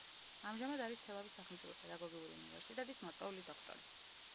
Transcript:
ამჟამად არის თელავის სახელმწიფო პედაგოგიური უნივერსიტეტის მოწვეული დოქტორი.